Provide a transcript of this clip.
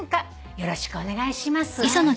よろしくお願いします」